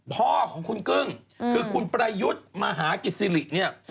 พ่อของคุณกึ้งคือคุณประยุทธ์มหากิจศิริเนี่ย